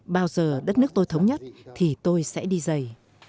bao giờ đất nước tôi thống nhất thì tôi sẽ đi dày